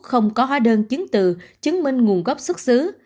không có hóa đơn chứng từ chứng minh nguồn gốc xuất xứ